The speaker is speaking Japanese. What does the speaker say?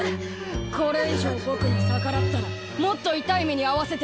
これ以上ぼくに逆らったらもっと痛い目にあわせてやるからな。